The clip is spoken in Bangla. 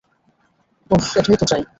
ওহ, এটাই তো চাই।